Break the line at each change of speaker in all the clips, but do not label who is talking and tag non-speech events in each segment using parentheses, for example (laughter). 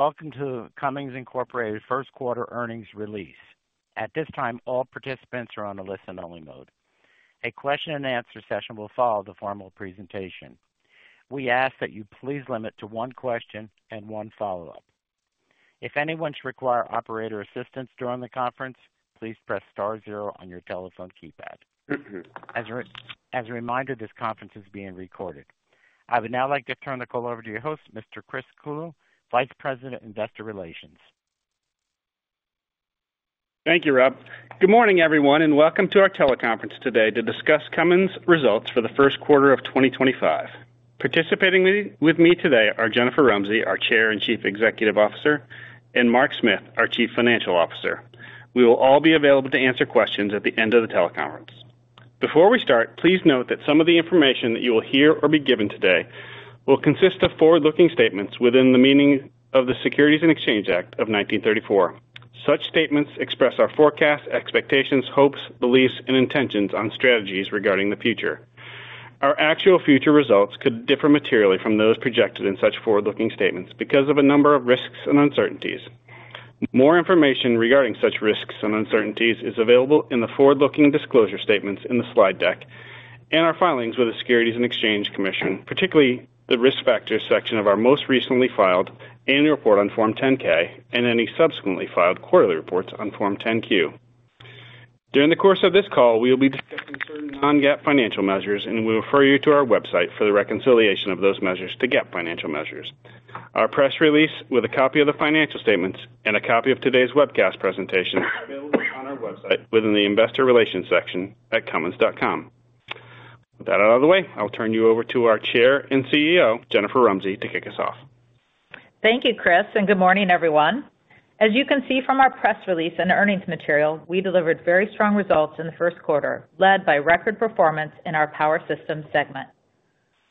Welcome to Cummins Inc's Q1 Earnings Release. At this time, all participants are on a listen-only mode. A question-and-answer session will follow the formal presentation. We ask that you please limit to one question and one follow-up. If anyone should require operator assistance during the conference, please press Star zero on your telephone keypad. As a reminder, this conference is being recorded. I would now like to turn the call over to your host, Mr. Chris Clulow, Vice President, Investor Relations.
Thank you, Rob. Good morning, everyone, and welcome to our teleconference today to discuss Cummins' results for the Q1 of 2025. Participating with me today are Jennifer Rumsey, our Chair and Chief Executive Officer, and Mark Smith, our Chief Financial Officer. We will all be available to answer questions at the end of the teleconference. Before we start, please note that some of the information that you will hear or be given today will consist of forward-looking statements within the meaning of the Securities and Exchange Act of 1934. Such statements express our forecasts, expectations, hopes, beliefs, and intentions on strategies regarding the future. Our actual future results could differ materially from those projected in such forward-looking statements because of a number of risks and uncertainties. More information regarding such risks and uncertainties is available in the forward-looking disclosure statements in the slide deck and our filings with the Securities and Exchange Commission, particularly the risk factors section of our most recently filed annual report on Form 10-K and any subsequently filed quarterly reports on Form 10-Q. During the course of this call, we will be discussing certain non-GAAP financial measures, and we will refer you to our website for the reconciliation of those measures to GAAP financial measures. Our press release with a copy of the financial statements and a copy of today's webcast presentation (crosstalk) are available on our website within the Investor Relations section at cummins.com. With that out of the way, I'll turn you over to our Chair and CEO, Jennifer Rumsey, to kick us off.
Thank you, Chris, and good morning, everyone. As you can see from our press release and earnings material, we delivered very strong results in the Q1, led by record performance in our Power Systems segment.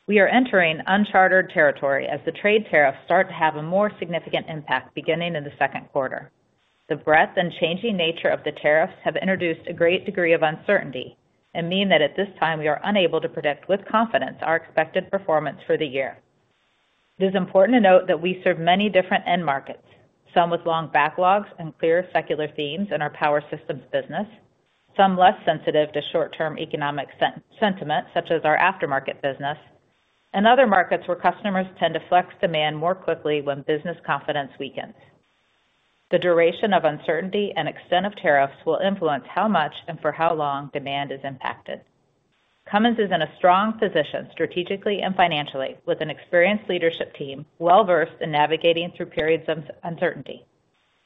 We are entering uncharted territory as the trade tariffs start to have a more significant impact beginning in the Q2. The breadth and changing nature of the tariffs have introduced a great degree of uncertainty and mean that at this time we are unable to predict with confidence our expected performance for the year. It is important to note that we serve many different end markets, some with long backlogs and clear secular themes in our Power Systems business, some less sensitive to short-term economic sentiment such as our aftermarket business, and other markets where customers tend to flex demand more quickly when business confidence weakens. The duration of uncertainty and extent of tariffs will influence how much and for how long demand is impacted. Cummins is in a strong position strategically and financially with an experienced leadership team well-versed in navigating through periods of uncertainty.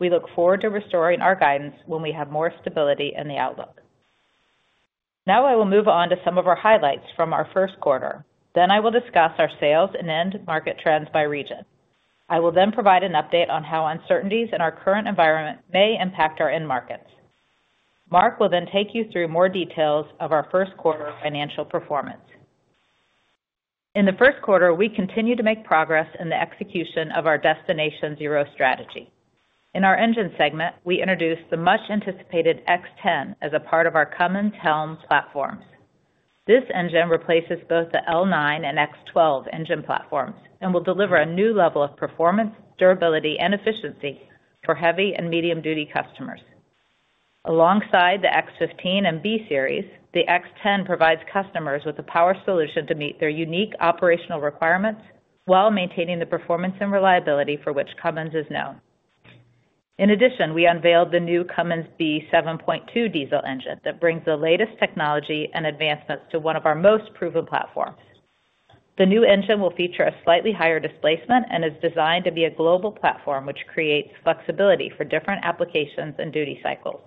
We look forward to restoring our guidance when we have more stability in the outlook. Now I will move on to some of our highlights from our Q1. Then I will discuss our sales and end market trends by region. I will then provide an update on how uncertainties in our current environment may impact our end markets. Mark will then take you through more details of our Q1 financial performance. In the Q1, we continued to make progress in the execution of our Destination Zero strategy. In our Engine segment, we introduced the much-anticipated X10 as a part of our Cummins HELM platforms. This engine replaces both the L9 and X12 engine platforms and will deliver a new level of performance, durability, and efficiency for heavy and medium-duty customers. Alongside the X15 and B Series, the X10 provides customers with a power solution to meet their unique operational requirements while maintaining the performance and reliability for which Cummins is known. In addition, we unveiled the new Cummins B7.2 diesel engine that brings the latest technology and advancements to one of our most proven platforms. The new engine will feature a slightly higher displacement and is designed to be a global platform, which creates flexibility for different applications and duty cycles.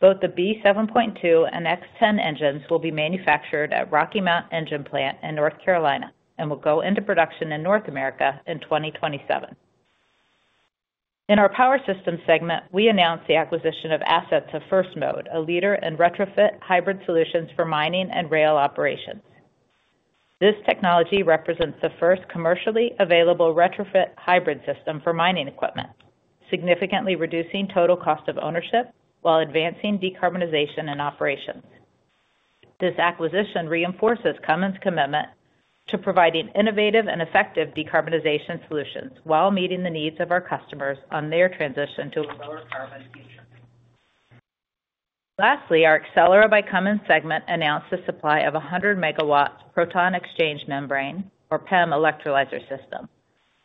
Both the B7.2 and X10 engines will be manufactured at Rocky Mount Engine Plant in North Carolina and will go into production in North America in 2027. In our Power Systems segment, we announced the acquisition of assets of First Mode, a leader in retrofit hybrid solutions for mining and rail operations. This technology represents the first commercially available retrofit hybrid system for mining equipment, significantly reducing total cost of ownership while advancing decarbonization and operations. This acquisition reinforces Cummins' commitment to providing innovative and effective decarbonization solutions while meeting the needs of our customers on their transition to a lower carbon future. Lastly, our Accelera by Cummins segment announced the supply of a 100-megawatt proton exchange membrane, or PEM, electrolyzer system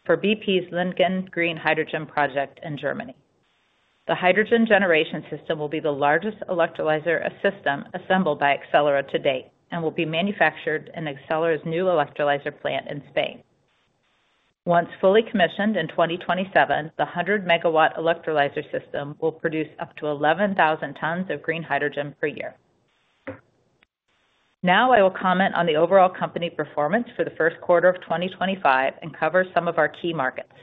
for BP's Lingen Green Hydrogen project in Germany. The hydrogen generation system will be the largest electrolyzer system assembled by Accelera to date and will be manufactured in Accelera's new electrolyzer plant in Spain. Once fully commissioned in 2027, the 100-megawatt electrolyzer system will produce up to 11,000 tons of green hydrogen per year. Now I will comment on the overall company performance for the Q1 of 2025 and cover some of our key markets.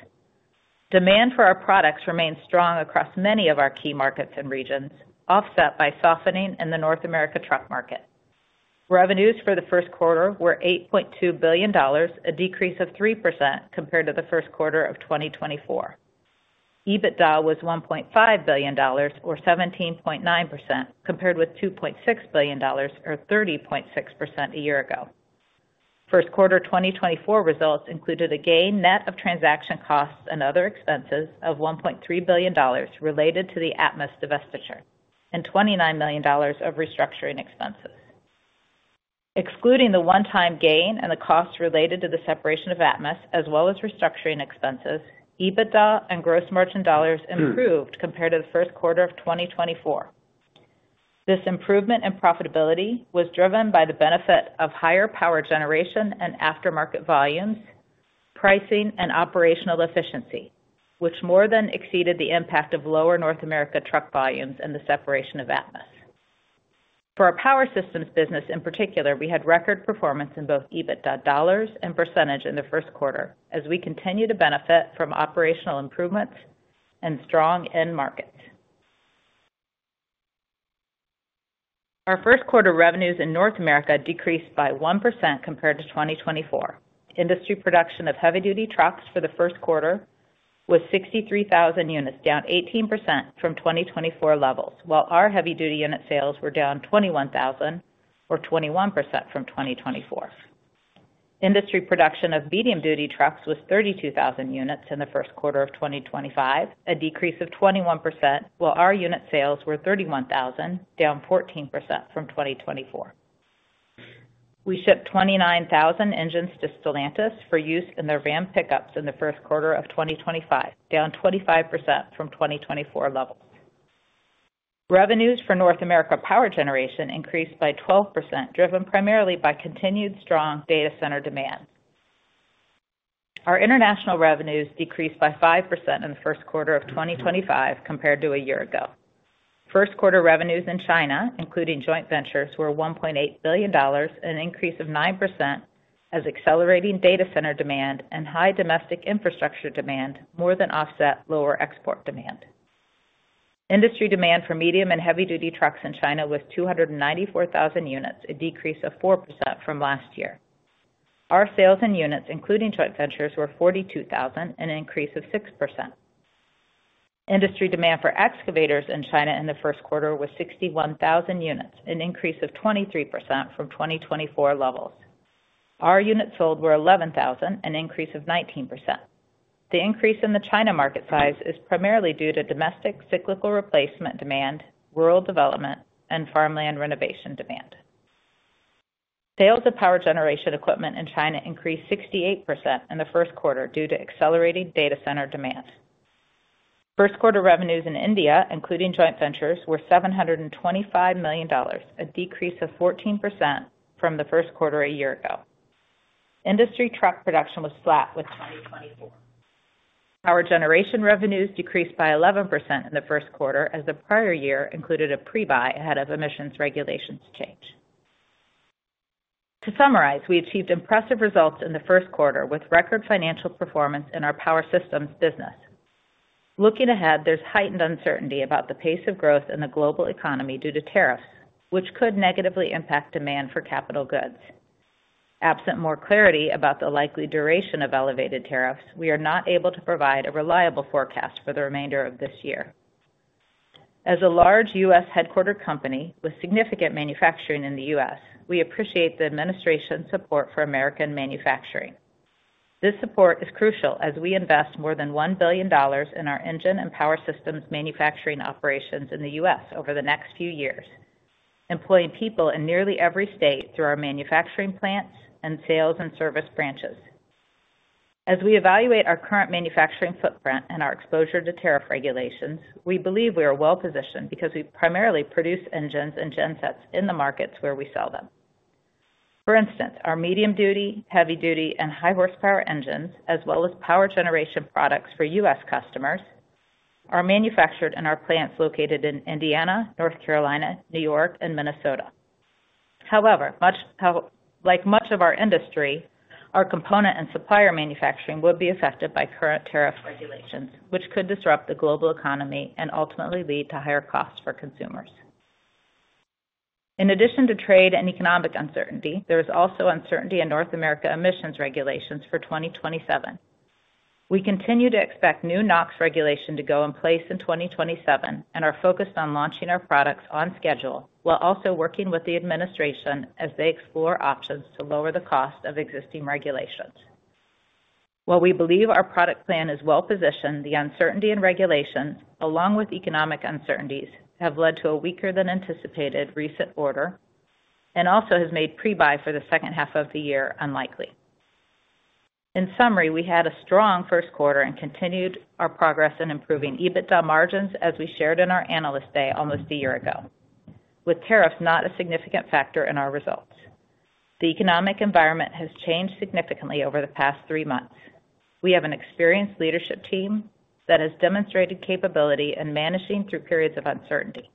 Demand for our products remains strong across many of our key markets and regions, offset by softening in the North America truck market. Revenues for the Q1 were $8.2 billion, a decrease of 3% compared to the Q1 of 2024. EBITDA was $1.5 billion, or 17.9%, compared with $2.6 billion, or 30.6% a year ago. Q1 2024 results included a gain net of transaction costs and other expenses of $1.3 billion related to the Atmus divestiture and $29 million of restructuring expenses. Excluding the one-time gain and the costs related to the separation of Atmus, as well as restructuring expenses, EBITDA and gross margin dollars improved compared to the Q1 of 2024. This improvement in profitability was driven by the benefit of higher power generation and aftermarket volumes, pricing, and operational efficiency, which more than exceeded the impact of lower North America truck volumes and the separation of Atmus. For our Power Systems business in particular, we had record performance in both EBITDA dollars and percentage in the Q1, as we continue to benefit from operational improvements and strong end markets. Our Q1 revenues in North America decreased by 1% compared to 2024. Industry production of heavy-duty trucks for the Q1 was 63,000 units, down 18% from 2024 levels, while our heavy-duty unit sales were down 21,000, or 21% from 2024. Industry production of medium-duty trucks was 32,000 units in the Q1 of 2025, a decrease of 21%, while our unit sales were 31,000, down 14% from 2024. We shipped 29,000 engines to Stellantis for use in their Ram pickups in the Q1 of 2025, down 25% from 2024 levels. Revenues for North America power generation increased by 12%, driven primarily by continued strong data center demand. Our international revenues decreased by 5% in the Q1 of 2025 compared to a year ago. Q1 revenues in China, including joint ventures, were $1.8 billion, an increase of 9%, as accelerating data center demand and high domestic infrastructure demand more than offset lower export demand. Industry demand for medium and heavy-duty trucks in China was 294,000 units, a decrease of 4% from last year. Our sales and units, including joint ventures, were 42,000, an increase of 6%. Industry demand for excavators in China in the Q1 was 61,000 units, an increase of 23% from 2024 levels. Our units sold were 11,000, an increase of 19%. The increase in the China market size is primarily due to domestic cyclical replacement demand, rural development, and farmland renovation demand. Sales of power generation equipment in China increased 68% in the Q1 due to accelerating data center demand. Q1 revenues in India, including joint ventures, were $725 million, a decrease of 14% from the Q1 a year ago. Industry truck production was flat with 2024. Power generation revenues decreased by 11% in the Q1, as the prior year included a pre-buy ahead of emissions regulations change. To summarize, we achieved impressive results in the Q1 with record financial performance in our Power Systems business. Looking ahead, there's heightened uncertainty about the pace of growth in the global economy due to tariffs, which could negatively impact demand for capital goods. Absent more clarity about the likely duration of elevated tariffs, we are not able to provide a reliable forecast for the remainder of this year. As a large U.S. headquartered company with significant manufacturing in the U.S., we appreciate the administration's support for American manufacturing. This support is crucial as we invest more than $1 billion in our engine and Power Systems manufacturing operations in the U.S. over the next few years, employing people in nearly every state through our manufacturing plants and sales and service branches. As we evaluate our current manufacturing footprint and our exposure to tariff regulations, we believe we are well-positioned because we primarily produce engines and gensets in the markets where we sell them. For instance, our medium-duty, heavy-duty, and high-horsepower engines, as well as power generation products for U.S. customers, are manufactured in our plants located in Indiana, North Carolina, New York, and Minnesota. However, like much of our industry, our Components and supplier manufacturing would be affected by current tariff regulations, which could disrupt the global economy and ultimately lead to higher costs for consumers. In addition to trade and economic uncertainty, there is also uncertainty in North America emissions regulations for 2027. We continue to expect new NOx regulation to go in place in 2027 and are focused on launching our products on schedule while also working with the administration as they explore options to lower the cost of existing regulations. While we believe our product plan is well-positioned, the uncertainty in regulations, along with economic uncertainties, have led to a weaker-than-anticipated recent quarter and also have made pre-buy for the H2 of the year unlikely. In summary, we had a strong Q1 and continued our progress in improving EBITDA margins, as we shared in our Analyst Day almost a year ago, with tariffs not a significant factor in our results. The economic environment has changed significantly over the past three months. We have an experienced leadership team that has demonstrated capability in managing through periods of uncertainty,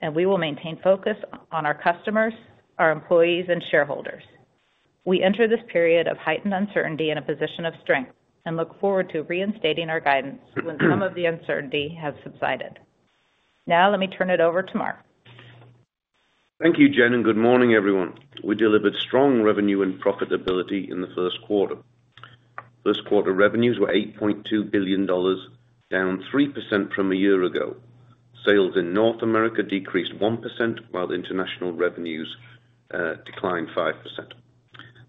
and we will maintain focus on our customers, our employees, and shareholders. We enter this period of heightened uncertainty in a position of strength and look forward to reinstating our guidance when some of the uncertainty has subsided. Now let me turn it over to Mark.
Thank you, Jen, and good morning, everyone. We delivered strong revenue and profitability in the Q1. Q1 revenues were $8.2 billion, down 3% from a year ago. Sales in North America decreased 1%, while international revenues declined 5%.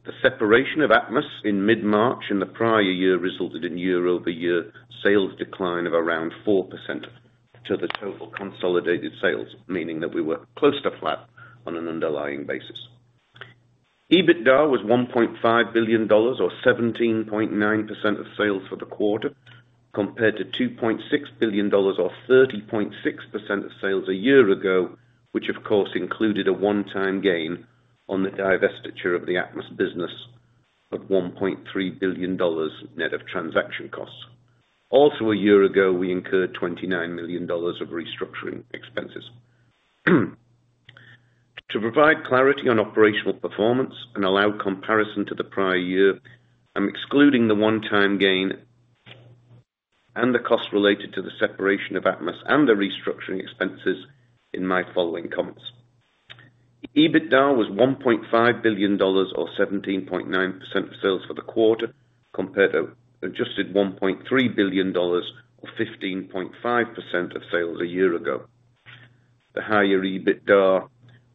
The separation of Atmus in mid-March in the prior year resulted in year-over-year sales decline of around 4% to the total consolidated sales, meaning that we were close to flat on an underlying basis. EBITDA was $1.5 billion, or 17.9% of sales for the quarter, compared to $2.6 billion, or 30.6% of sales a year ago, which, of course, included a one-time gain on the divestiture of the Atmus business of $1.3 billion net of transaction costs. Also, a year ago, we incurred $29 million of restructuring expenses. To provide clarity on operational performance and allow comparison to the prior year, I'm excluding the one-time gain and the costs related to the separation of Atmus and the restructuring expenses in my following comments. EBITDA was $1.5 billion, or 17.9% of sales for the quarter, compared to adjusted $1.3 billion, or 15.5% of sales a year ago. The higher EBITDA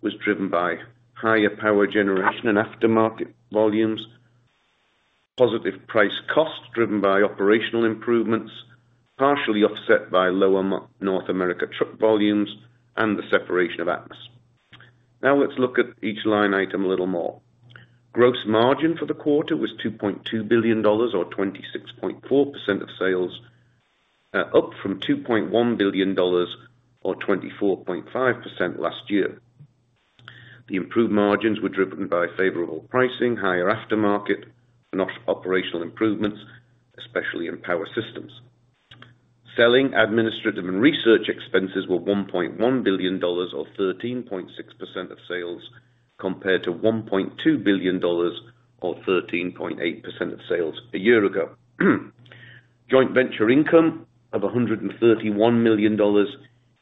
was driven by higher power generation and aftermarket volumes, positive price-cost driven by operational improvements, partially offset by lower North America truck volumes, and the separation of Atmus. Now let's look at each line item a little more. Gross margin for the quarter was $2.2 billion, or 26.4% of sales, up from $2.1 billion, or 24.5% last year. The improved margins were driven by favorable pricing, higher aftermarket, and operational improvements, especially in Power Systems. Selling, administrative, and research expenses were $1.1 billion, or 13.6% of sales, compared to $1.2 billion, or 13.8% of sales a year ago. Joint venture income of $131 million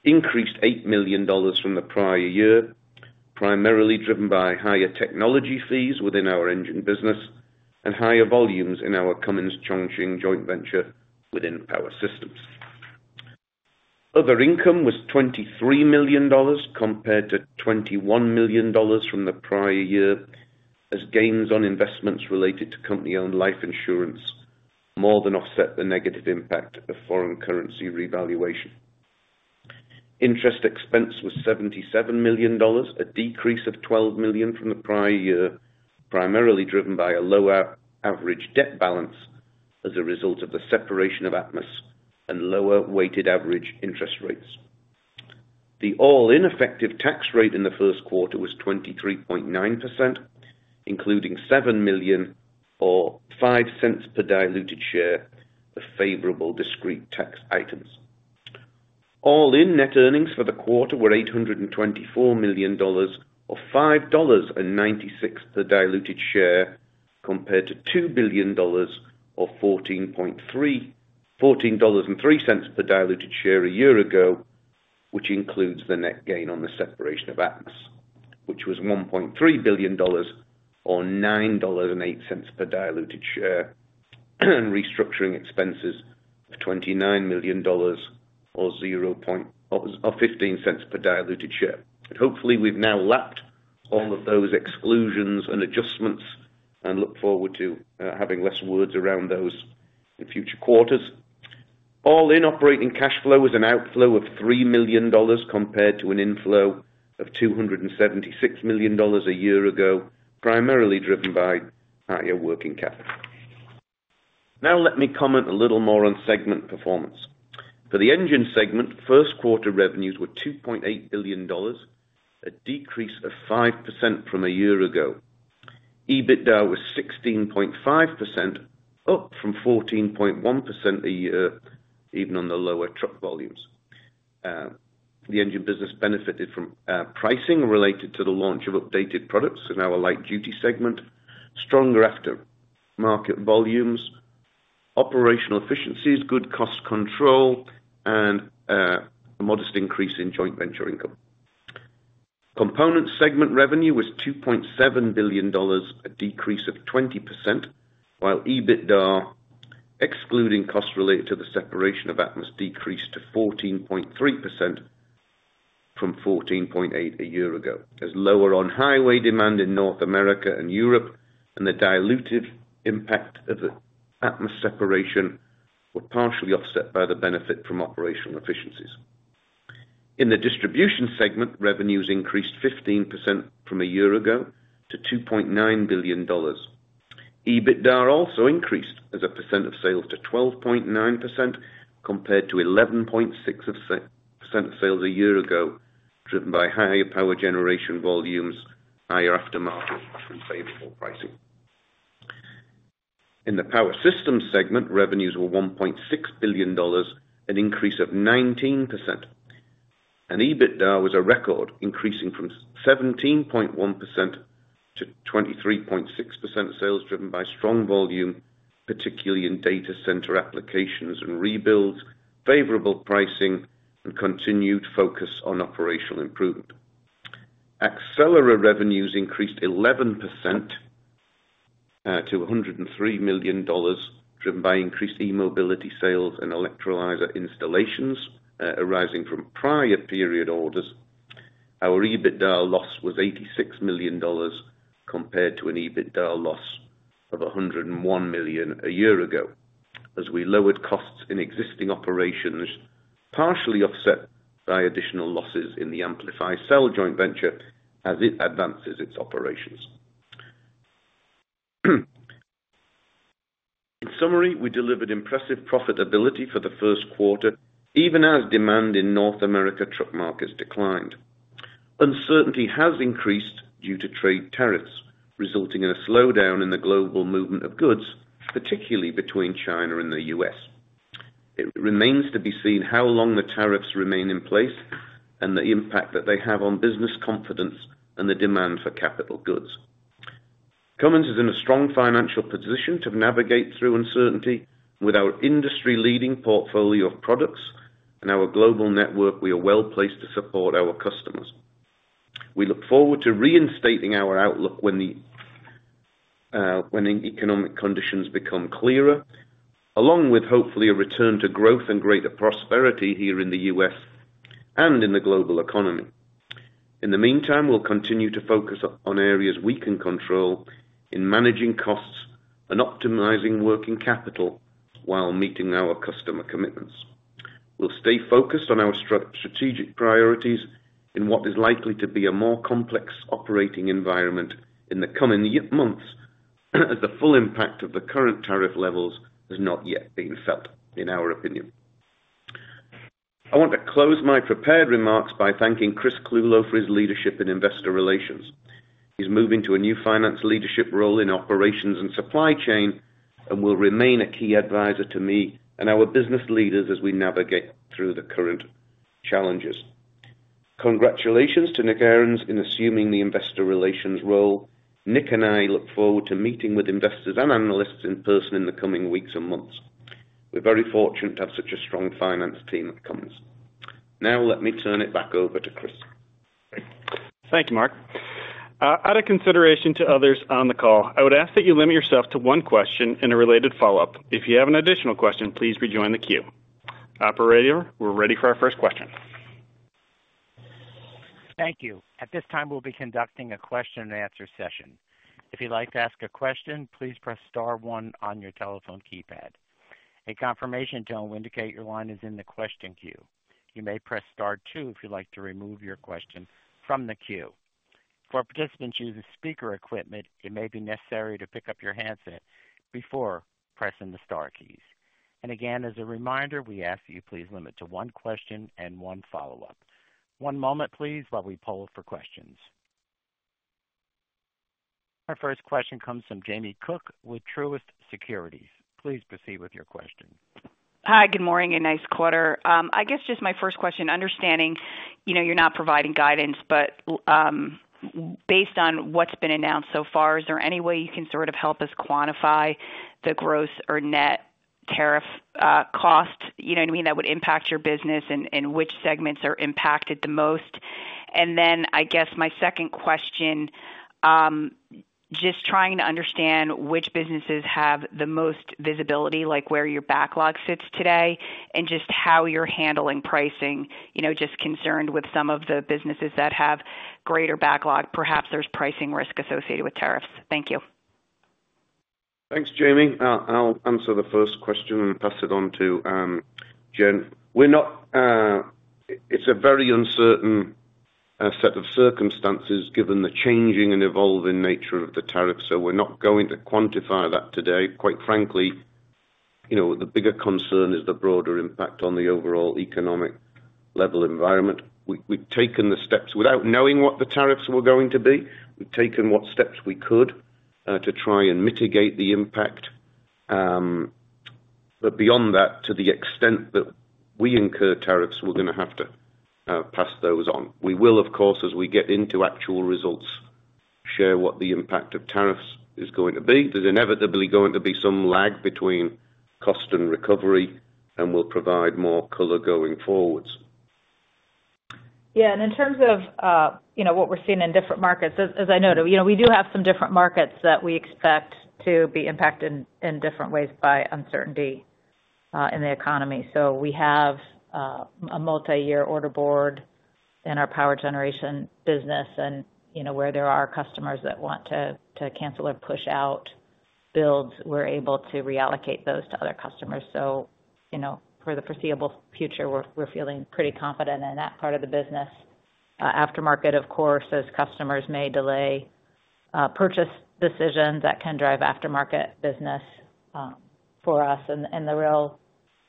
increased $8 million from the prior year, primarily driven by higher technology fees within our Engine business and higher volumes in our Cummins Chongqing joint venture within Power Systems. Other income was $23 million compared to $21 million from the prior year, as gains on investments related to company-owned life insurance more than offset the negative impact of foreign currency revaluation. Interest expense was $77 million, a decrease of $12 million from the prior year, primarily driven by a lower average debt balance as a result of the separation of Atmus and lower weighted average interest rates. The all-in effective tax rate in the Q1 was 23.9%, including $7.05 per diluted share of favorable discrete tax items. All-in net earnings for the quarter were $824 million, or $5.96 per diluted share, compared to $2 billion, or $14.33 per diluted share a year ago, which includes the net gain on the separation of Atmus, which was $1.3 billion, or $9.08 per diluted share, and restructuring expenses of $29 million, or $0.15 per diluted share. Hopefully, we have now lapped all of those exclusions and adjustments and look forward to having less words around those in future quarters. All-in operating cash flow was an outflow of $3 million compared to an inflow of $276 million a year ago, primarily driven by higher working capital. Now let me comment a little more on segment performance. For the Engine segment, Q1 revenues were $2.8 billion, a decrease of 5% from a year ago. EBITDA was 16.5%, up from 14.1% a year, even on the lower truck volumes. The Engine business benefited from pricing related to the launch of updated products, now a light-duty segment, stronger aftermarket volumes, operational efficiencies, good cost control, and a modest increase in joint venture income. Components segment revenue was $2.7 billion, a decrease of 20%, while EBITDA, excluding costs related to the separation of Atmus, decreased to 14.3% from 14.8% a year ago, as lower on-highway demand in North America and Europe, and the diluted impact of the Atmus separation was partially offset by the benefit from operational efficiencies. In the Distribution segment, revenues increased 15% from a year ago to $2.9 billion. EBITDA also increased as a percent of sales to 12.9% compared to 11.6% of sales a year ago, driven by higher power generation volumes, higher aftermarket, and favorable pricing. In the Power Systems segment, revenues were $1.6 billion, an increase of 19%. EBITDA was a record, increasing from 17.1% to 23.6% of sales driven by strong volume, particularly in data center applications and rebuilds, favorable pricing, and continued focus on operational improvement. Accelera revenues increased 11% to $103 million, driven by increased e-mobility sales and electrolyzer installations arising from prior period orders. Our EBITDA loss was $86 million compared to an EBITDA loss of $101 million a year ago, as we lowered costs in existing operations, partially offset by additional losses in the Amplify Cell joint venture as it advances its operations. In summary, we delivered impressive profitability for the Q1, even as demand in North America truck markets declined. Uncertainty has increased due to trade tariffs, resulting in a slowdown in the global movement of goods, particularly between China and the U.S. It remains to be seen how long the tariffs remain in place and the impact that they have on business confidence and the demand for capital goods. Cummins is in a strong financial position to navigate through uncertainty with our industry-leading portfolio of products and our global network. We are well-placed to support our customers. We look forward to reinstating our outlook when the economic conditions become clearer, along with hopefully a return to growth and greater prosperity here in the U.S. and in the global economy. In the meantime, we'll continue to focus on areas we can control in managing costs and optimizing working capital while meeting our customer commitments. We'll stay focused on our strategic priorities in what is likely to be a more complex operating environment in the coming months, as the full impact of the current tariff levels has not yet been felt, in our opinion. I want to close my prepared remarks by thanking Chris Clulow for his leadership in investor relations. He's moving to a new finance leadership role in operations and supply chain and will remain a key advisor to me and our business leaders as we navigate through the current challenges. Congratulations to Nick Ahrens in assuming the investor relations role. Nick and I look forward to meeting with investors and analysts in person in the coming weeks and months. We're very fortunate to have such a strong finance team at Cummins. Now let me turn it back over to Chris.
Thank you, Mark. Out of consideration to others on the call, I would ask that you limit yourself to one question and a related follow-up. If you have an additional question, please rejoin the queue. Operator, we're ready for our first question.
Thank you. At this time, we'll be conducting a question-and-answer session. If you'd like to ask a question, please press Star one on your telephone keypad. A confirmation tone will indicate your line is in the question queue. You may press Star two if you'd like to remove your question from the queue. For participants using speaker equipment, it may be necessary to pick up your handset before pressing the Star keys. As a reminder, we ask that you please limit to one question and one follow-up. One moment, please, while we poll for questions. Our first question comes from Jamie Cook with Truist Securities. Please proceed with your question.
Hi, good morning, and nice quarter. I guess just my first question, understanding you're not providing guidance, but based on what's been announced so far, is there any way you can sort of help us quantify the gross or net tariff cost? You know what I mean? That would impact your business and which segments are impacted the most. I guess my second question, just trying to understand which businesses have the most visibility, like where your backlog sits today, and just how you're handling pricing, just concerned with some of the businesses that have greater backlog, perhaps there's pricing risk associated with tariffs. Thank you.
Thanks, Jamie. I'll answer the first question and pass it on to Jen. It's a very uncertain set of circumstances given the changing and evolving nature of the tariffs, so we're not going to quantify that today. Quite frankly, the bigger concern is the broader impact on the overall economic level environment. We've taken the steps without knowing what the tariffs were going to be. We've taken what steps we could to try and mitigate the impact. Beyond that, to the extent that we incur tariffs, we're going to have to pass those on. We will, of course, as we get into actual results, share what the impact of tariffs is going to be. There's inevitably going to be some lag between cost and recovery, and we'll provide more color going forwards.
Yeah. In terms of what we're seeing in different markets, as I noted, we do have some different markets that we expect to be impacted in different ways by uncertainty in the economy. We have a multi-year order board in our power generation business, and where there are customers that want to cancel or push out builds, we're able to reallocate those to other customers. For the foreseeable future, we're feeling pretty confident in that part of the business. Aftermarket, of course, as customers may delay purchase decisions, that can drive aftermarket business for us. The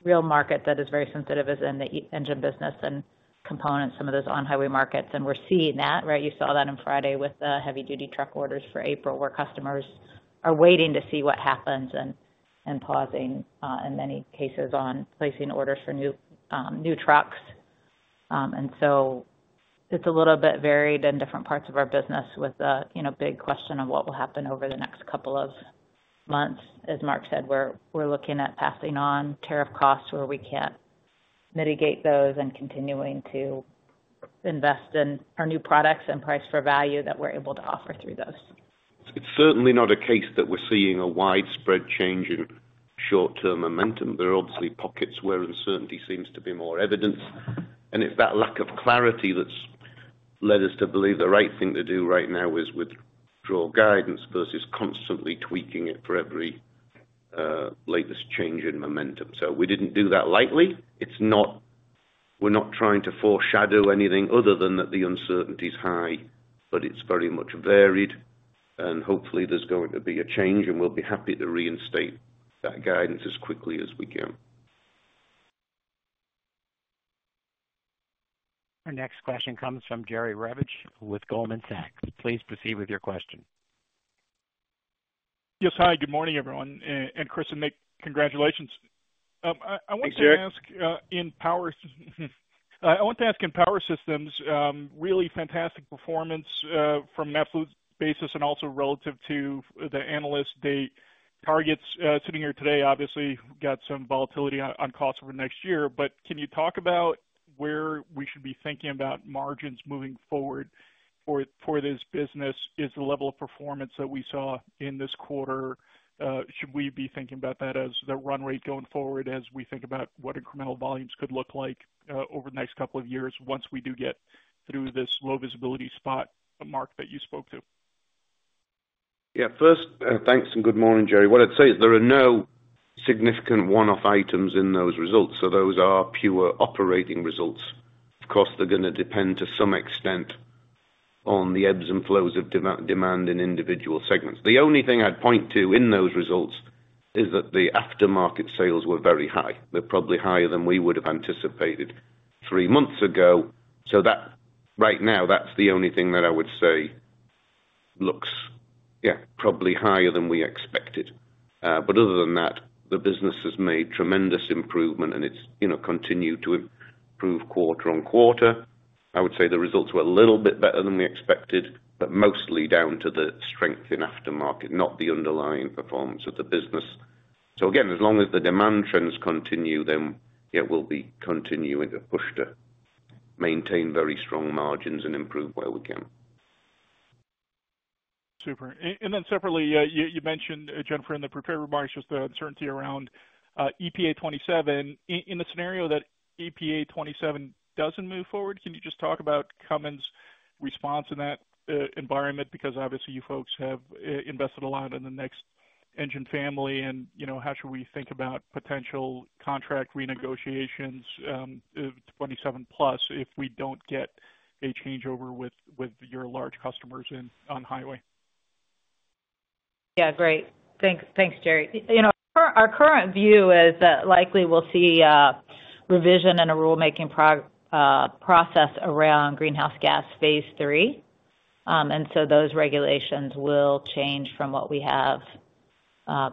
real market that is very sensitive is in the Engine business and Components, some of those on-highway markets. We're seeing that, right? You saw that on Friday with the heavy-duty truck orders for April, where customers are waiting to see what happens and pausing, in many cases, on placing orders for new trucks. It is a little bit varied in different parts of our business with a big question of what will happen over the next couple of months. As Mark said, we are looking at passing on tariff costs where we cannot mitigate those and continuing to invest in our new products and price for value that we are able to offer through those.
It's certainly not a case that we're seeing a widespread change in short-term momentum. There are obviously pockets where uncertainty seems to be more evident. It's that lack of clarity that's led us to believe the right thing to do right now is withdraw guidance versus constantly tweaking it for every latest change in momentum. We didn't do that lightly. We're not trying to foreshadow anything other than that the uncertainty is high, but it's very much varied. Hopefully, there's going to be a change, and we'll be happy to reinstate that guidance as quickly as we can.
Our next question comes from Jerry Revich with Goldman Sachs. Please proceed with your question.
Yes. Hi, good morning, everyone. Chris and Nick, congratulations. I want to ask in Power Systems, really fantastic performance from an absolute basis and also relative to the Analyst Day targets. Sitting here today, obviously, we have some volatility on costs for next year. Can you talk about where we should be thinking about margins moving forward for this business? Is the level of performance that we saw in this quarter, should we be thinking about that as the run rate going forward as we think about what incremental volumes could look like over the next couple of years once we do get through this low visibility spot mark that you spoke to?
Yeah. First, thanks and good morning, Jerry. What I'd say is there are no significant one-off items in those results. So those are pure operating results. Of course, they're going to depend to some extent on the ebbs and flows of demand in individual segments. The only thing I'd point to in those results is that the aftermarket sales were very high. They're probably higher than we would have anticipated three months ago. Right now, that's the only thing that I would say looks, yeah, probably higher than we expected. Other than that, the business has made tremendous improvement, and it's continued to improve quarter on quarter. I would say the results were a little bit better than we expected, but mostly down to the strength in aftermarket, not the underlying performance of the business. Again, as long as the demand trends continue, then it will be continuing to push to maintain very strong margins and improve where we can.
Super. Separately, you mentioned, Jennifer, in the prepared remarks just the uncertainty around EPA 27. In the scenario that EPA 27 does not move forward, can you just talk about Cummins' response in that environment? Because obviously, you folks have invested a lot in the next engine family, and how should we think about potential contract renegotiations of 27 plus if we do not get a changeover with your large customers on highway?
Yeah. Great. Thanks, Jerry. Our current view is that likely we'll see a revision in a rulemaking process around Greenhouse Gas Phase III. Those regulations will change from what we have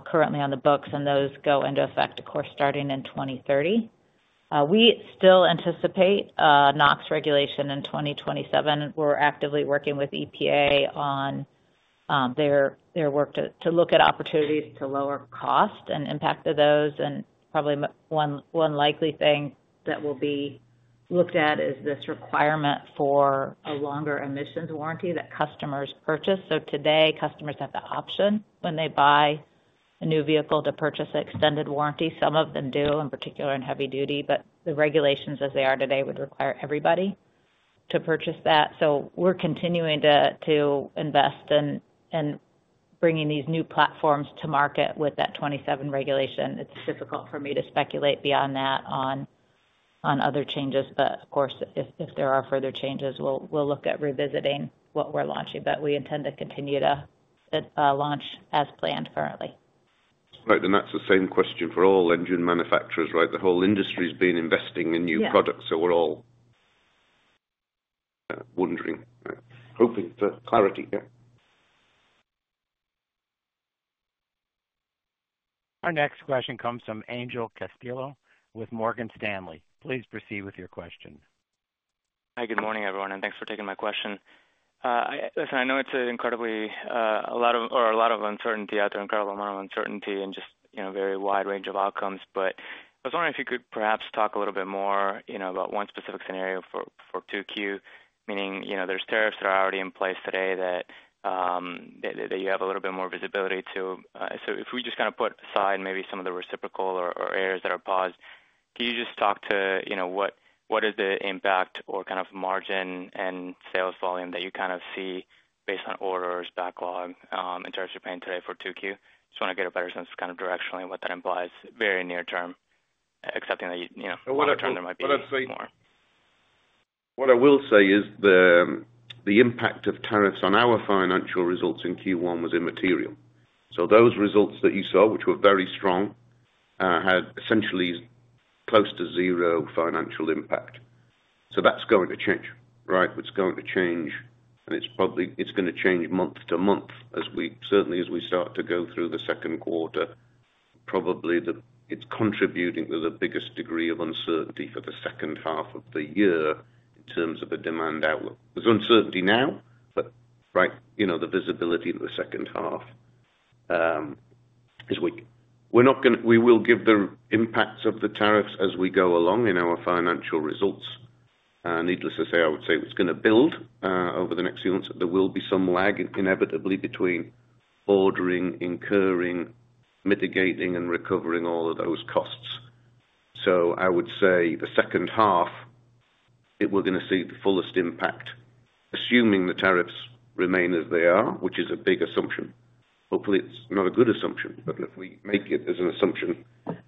currently on the books, and those go into effect, of course, starting in 2030. We still anticipate NOx regulation in 2027. We're actively working with EPA on their work to look at opportunities to lower cost and impact those. Probably one likely thing that will be looked at is this requirement for a longer emissions warranty that customers purchase. Today, customers have the option when they buy a new vehicle to purchase an extended warranty. Some of them do, in particular in heavy duty, but the regulations as they are today would require everybody to purchase that. We're continuing to invest in bringing these new platforms to market with that 2027 regulation. It's difficult for me to speculate beyond that on other changes. Of course, if there are further changes, we'll look at revisiting what we're launching. We intend to continue to launch as planned currently.
Right. That is the same question for all engine manufacturers, right? The whole industry's been investing in new products, so we're all wondering, hoping for clarity. Yeah.
Our next question comes from Angel Castillo with Morgan Stanley. Please proceed with your question.
Hi, good morning, everyone, and thanks for taking my question. Listen, I know it's incredibly a lot of or a lot of uncertainty out there, incredible amount of uncertainty and just very wide range of outcomes. I was wondering if you could perhaps talk a little bit more about one specific scenario for 2Q, meaning there's tariffs that are already in place today that you have a little bit more visibility to. If we just kind of put aside maybe some of the reciprocal or errors that are paused, can you just talk to what is the impact or kind of margin and sales volume that you kind of see based on orders, backlog, in terms of paying today for 2Q? Just want to get a better sense of kind of directionally what that implies very near term, accepting that you know whatever term there might be more.
What I will say is the impact of tariffs on our financial results in Q1 was immaterial. Those results that you saw, which were very strong, had essentially close to zero financial impact. That is going to change, right? It is going to change, and it is going to change month to month, certainly as we start to go through the Q2. Probably it is contributing to the biggest degree of uncertainty for the H2 of the year in terms of the demand outlook. There is uncertainty now, but the visibility of the H2 is weak. We will give the impacts of the tariffs as we go along in our financial results. Needless to say, I would say it is going to build over the next few months. There will be some lag inevitably between ordering, incurring, mitigating, and recovering all of those costs. I would say the H2, we're going to see the fullest impact, assuming the tariffs remain as they are, which is a big assumption. Hopefully, it's not a good assumption, but if we make it as an assumption,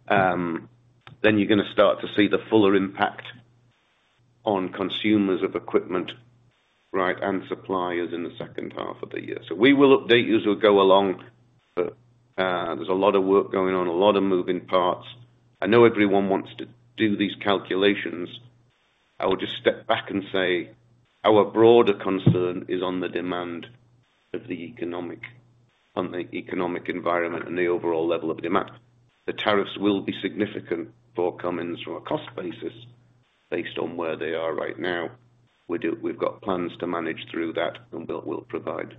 then you're going to start to see the fuller impact on consumers of equipment, right, and suppliers in the H2 of the year. We will update you as we go along, but there's a lot of work going on, a lot of moving parts. I know everyone wants to do these calculations. I will just step back and say our broader concern is on the demand of the economic environment and the overall level of demand. The tariffs will be significant for Cummins from a cost basis based on where they are right now. We've got plans to manage through that, and we'll provide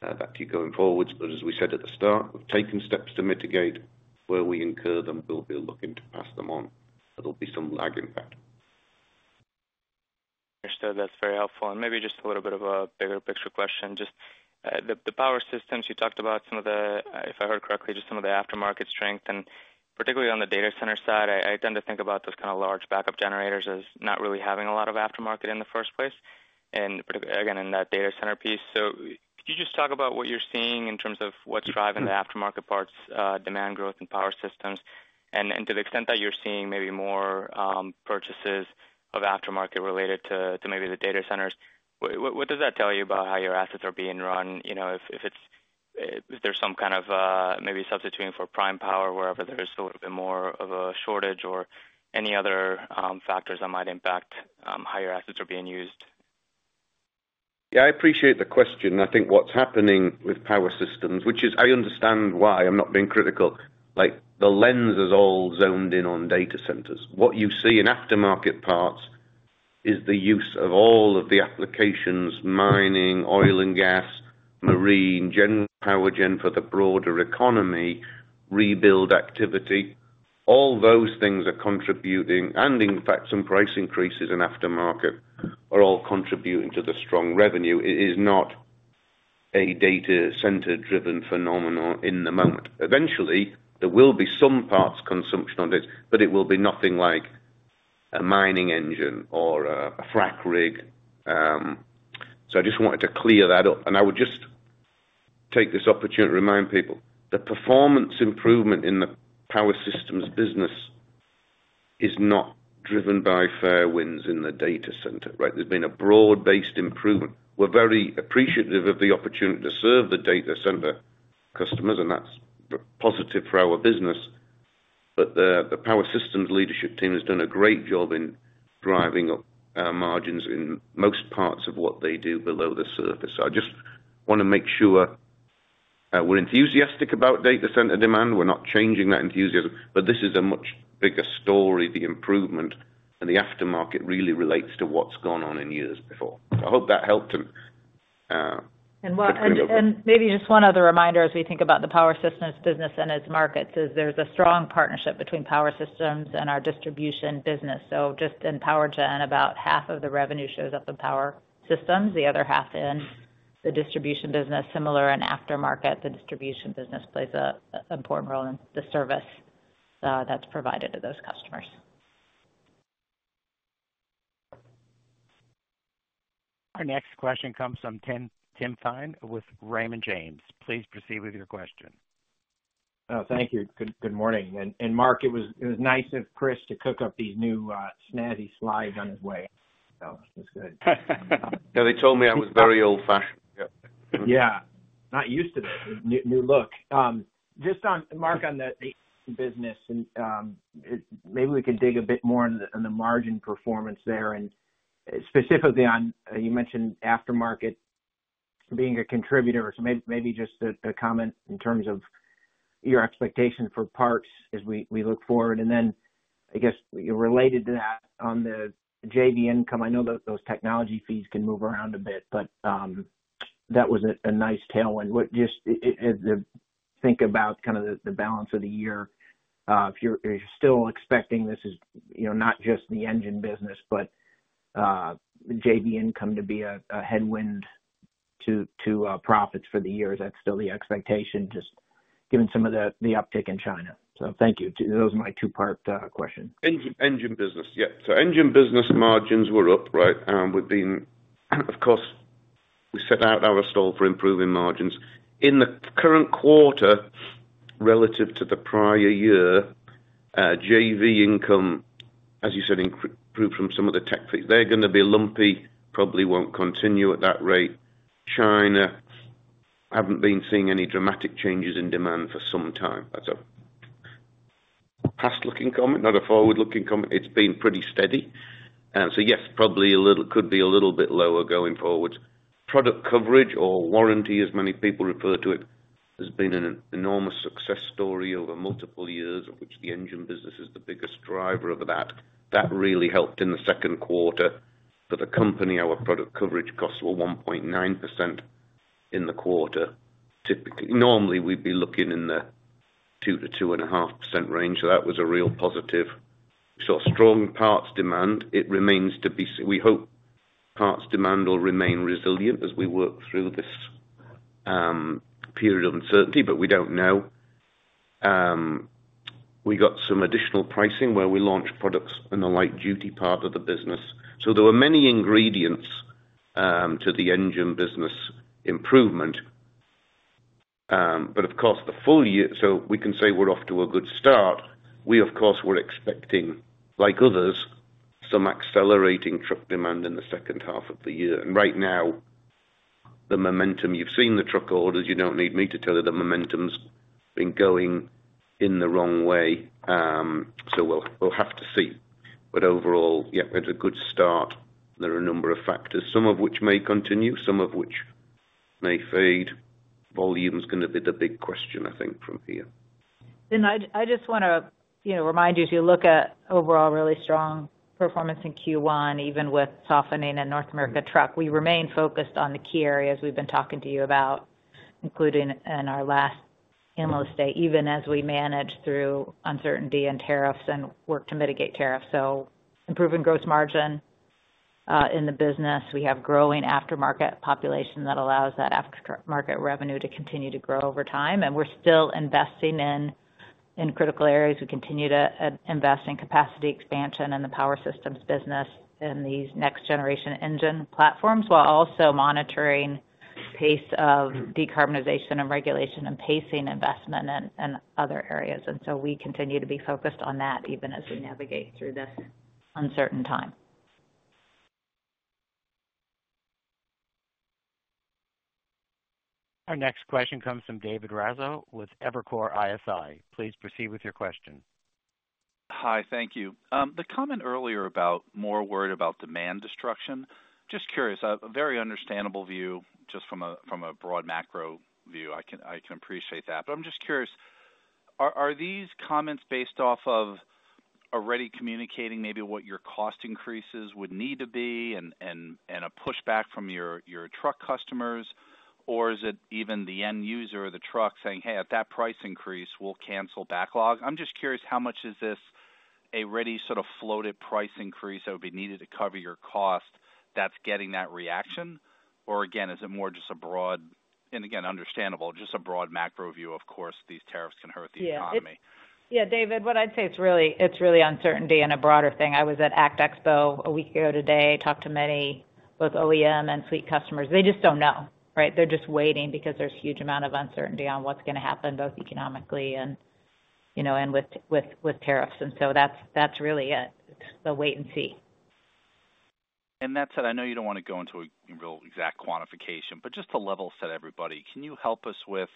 that to you going forward. As we said at the start, we've taken steps to mitigate where we incur them. We'll be looking to pass them on. There'll be some lag, in fact.
Understood. That's very helpful. Maybe just a little bit of a bigger picture question. Just the Power Systems, you talked about some of the aftermarket strength. Particularly on the data center side, I tend to think about those kind of large backup generators as not really having a lot of aftermarket in the first place, again, in that data center piece. Could you just talk about what you're seeing in terms of what's driving the aftermarket parts, demand growth, and Power Systems? To the extent that you're seeing maybe more purchases of aftermarket related to maybe the data centers, what does that tell you about how your assets are being run? If there's some kind of maybe substituting for prime power wherever there's a little bit more of a shortage or any other factors that might impact how your assets are being used?
Yeah. I appreciate the question. I think what's happening with Power Systems, which is I understand why, I'm not being critical. The lens is all zoned in on data centers. What you see in aftermarket parts is the use of all of the applications: mining, oil and gas, marine, power gen for the broader economy, rebuild activity. All those things are contributing. In fact, some price increases in aftermarket are all contributing to the strong revenue. It is not a data center-driven phenomenon in the moment. Eventually, there will be some parts consumption on this, but it will be nothing like a mining engine or a frac rig. I just wanted to clear that up. I would just take this opportunity to remind people the performance improvement in the Power Systems business is not driven by fair winds in the data center, right? There's been a broad-based improvement. We're very appreciative of the opportunity to serve the data center customers, and that's positive for our business. The Power Systems leadership team has done a great job in driving up our margins in most parts of what they do below the surface. I just want to make sure we're enthusiastic about data center demand. We're not changing that enthusiasm. This is a much bigger story. The improvement and the aftermarket really relates to what's gone on in years before. I hope that helped.
Maybe just one other reminder as we think about the Power Systems business and its markets is there's a strong partnership between Power Systems and our Distribution business. Just in power gen, about half of the revenue shows up in Power Systems. The other half in the Distribution business. Similar in aftermarket, the Distribution business plays an important role in the service that's provided to those customers.
Our next question comes from Tim Thein with Raymond James. Please proceed with your question.
Thank you. Good morning. Mark, it was nice of Chris to cook up these new snazzy slides on his way. It was good.
Yeah. They told me I was very old-fashioned.
Yeah. Not used to that. New look. Just on Mark on the business, maybe we can dig a bit more on the margin performance there. Specifically, you mentioned aftermarket being a contributor. Maybe just a comment in terms of your expectation for parts as we look forward. I guess related to that on the JV income, I know that those technology fees can move around a bit, but that was a nice tailwind. Think about kind of the balance of the year. If you're still expecting this is not just the Engine business, but the JV income to be a headwind to profits for the year, is that still the expectation just given some of the uptick in China? Thank you. Those are my two-part question.
Engine business. Yeah. Engine business margins were up, right? Of course, we set out our stall for improving margins. In the current quarter relative to the prior year, JV income, as you said, improved from some of the tech fees. They're going to be lumpy. Probably won't continue at that rate. China haven't been seeing any dramatic changes in demand for some time. That's a past-looking comment, not a forward-looking comment. It's been pretty steady. Yes, probably could be a little bit lower going forward. Product coverage or warranty, as many people refer to it, has been an enormous success story over multiple years, of which the Engine business is the biggest driver of that. That really helped in the Q2 for the company. Our product coverage costs were 1.9% in the quarter. Normally, we'd be looking in the 2%-2.5% range. That was a real positive. Strong parts demand. It remains to be seen. We hope parts demand will remain resilient as we work through this period of uncertainty, but we do not know. We got some additional pricing where we launched products in the light-duty part of the business. There were many ingredients to the Engine business improvement. Of course, the Full Year, we can say we are off to a good start. We, of course, were expecting, like others, some accelerating truck demand in the H2 of the year. Right now, the momentum you have seen in the truck orders, you do not need me to tell you the momentum has been going in the wrong way. We will have to see. Overall, it is a good start. There are a number of factors, some of which may continue, some of which may fade. Volume's going to be the big question, I think, from here.
I just want to remind you, as you look at overall really strong performance in Q1, even with softening in North America truck, we remain focused on the key areas we've been talking to you about, including in our last Analyst Day, even as we manage through uncertainty and tariffs and work to mitigate tariffs. Improving gross margin in the business. We have growing aftermarket population that allows that aftermarket revenue to continue to grow over time. We're still investing in critical areas. We continue to invest in capacity expansion in the Power Systems business and these next-generation engine platforms while also monitoring the pace of decarbonization and regulation and pacing investment in other areas. We continue to be focused on that even as we navigate through this uncertain time.
Our next question comes from David Raso with Evercore ISI. Please proceed with your question.
Hi. Thank you. The comment earlier about more worried about demand destruction, just curious, a very understandable view just from a broad macro view. I can appreciate that. I'm just curious, are these comments based off of already communicating maybe what your cost increases would need to be and a pushback from your truck customers? Or is it even the end user of the truck saying, "Hey, at that price increase, we'll cancel backlog"? I'm just curious, how much is this a ready sort of floated price increase that would be needed to cover your cost that's getting that reaction? Or again, is it more just a broad and again, understandable, just a broad macro view? Of course, these tariffs can hurt the economy.
Yeah. Yeah, David, what I'd say is really uncertainty and a broader thing. I was at ACT Expo a week ago today, talked to many both OEM and fleet customers. They just don't know, right? They're just waiting because there's a huge amount of uncertainty on what's going to happen both economically and with tariffs. That's really it. It's the wait and see.
That said, I know you do not want to go into a real exact quantification, but just to level set everybody, can you help us with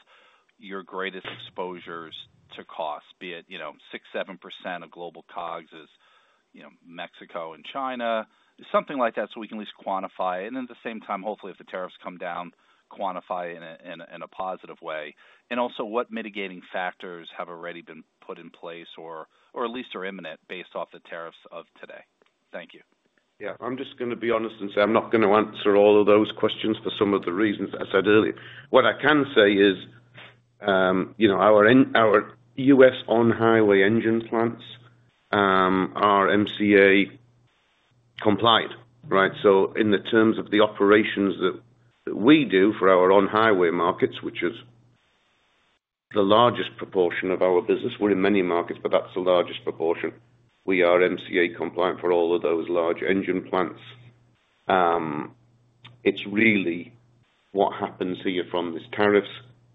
your greatest exposures to cost, be it 6%-7% of Global COGS is Mexico and China, something like that so we can at least quantify it? At the same time, hopefully, if the tariffs come down, quantify it in a positive way. Also, what mitigating factors have already been put in place or at least are imminent based off the tariffs of today? Thank you.
Yeah. I'm just going to be honest and say I'm not going to answer all of those questions for some of the reasons I said earlier. What I can say is our U.S. on-highway engine plants are USMCA compliant, right? In the terms of the operations that we do for our on-highway markets, which is the largest proportion of our business. We're in many markets, but that's the largest proportion. We are USMCA compliant for all of those large engine plants. It's really what happens here from these tariffs.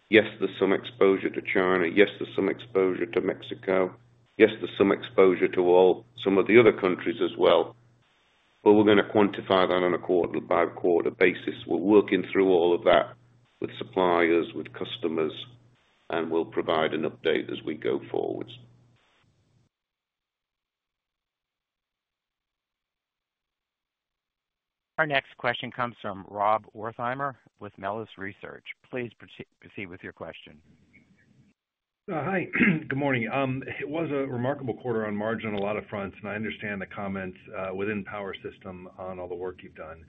Yes, there's some exposure to China. Yes, there's some exposure to Mexico. Yes, there's some exposure to some of the other countries as well. We're going to quantify that on a quarter-by-quarter basis. We're working through all of that with suppliers, with customers, and we'll provide an update as we go forwards.
Our next question comes from Rob Wertheimer with Melius Research. Please proceed with your question.
Hi. Good morning. It was a remarkable quarter on margin on a lot of fronts. I understand the comments within power system on all the work you've done.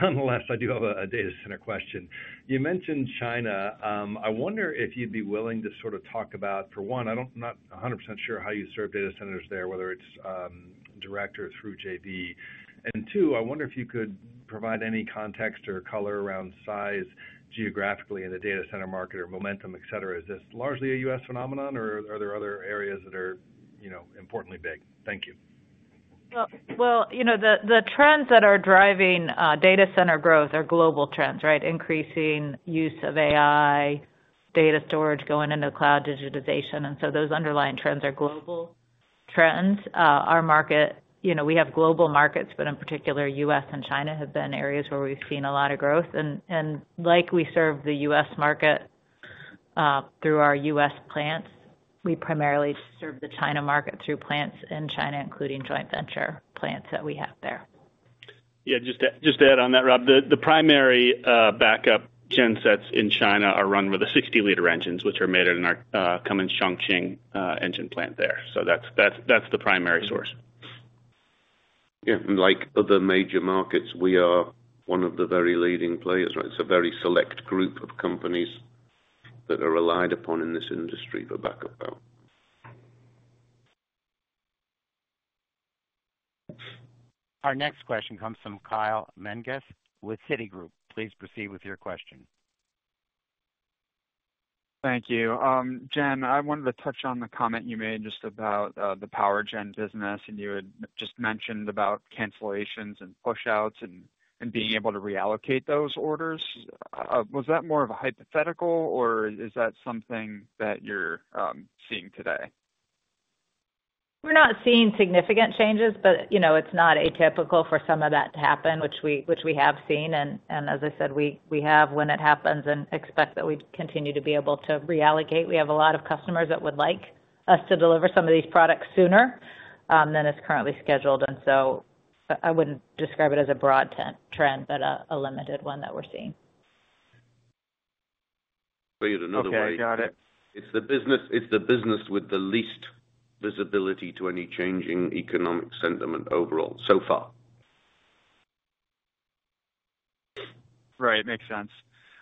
Nonetheless, I do have a data center question. You mentioned China. I wonder if you'd be willing to sort of talk about, for one, I'm not 100% sure how you serve data centers there, whether it's direct or through JV. Two, I wonder if you could provide any context or color around size geographically in the data center market or momentum, etc. Is this largely a U.S. phenomenon, or are there other areas that are importantly big? Thank you.
The trends that are driving data center growth are global trends, right? Increasing use of AI, data storage going into cloud digitization. Those underlying trends are global trends. Our market, we have global markets, but in particular, U.S and China have been areas where we've seen a lot of growth. Like we serve the US market through our US plants, we primarily serve the China market through plants in China, including joint venture plants that we have there.
Yeah. Just to add on that, Rob, the primary backup gensets in China are run with the 60-liter engines, which are made in our Cummins Chongqing engine plant there. That is the primary source.
Yeah. Like other major markets, we are one of the very leading players, right? It is a very select group of companies that are relied upon in this industry for backup power.
Our next question comes from Kyle Menges with Citigroup. Please proceed with your question.
Thank you. Jen, I wanted to touch on the comment you made just about the power gen business. You had just mentioned about cancellations and push-outs and being able to reallocate those orders. Was that more of a hypothetical, or is that something that you're seeing today?
We're not seeing significant changes, but it's not atypical for some of that to happen, which we have seen. As I said, we have when it happens and expect that we continue to be able to reallocate. We have a lot of customers that would like us to deliver some of these products sooner than it's currently scheduled. I wouldn't describe it as a broad trend, but a limited one that we're seeing.
Yet another way.
Okay. Got it.
It's the business with the least visibility to any changing economic sentiment overall so far.
Right. Makes sense.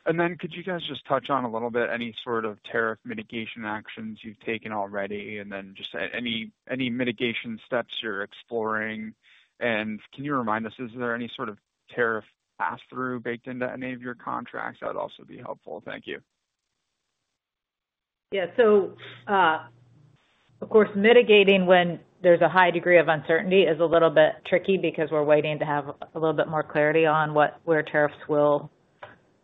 Could you guys just touch on a little bit any sort of tariff mitigation actions you've taken already? Just any mitigation steps you're exploring. Can you remind us, is there any sort of tariff pass-through baked into any of your contracts? That would also be helpful. Thank you.
Yeah. Of course, mitigating when there's a high degree of uncertainty is a little bit tricky because we're waiting to have a little bit more clarity on where tariffs will